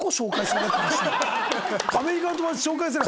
「アメリカの友達紹介する」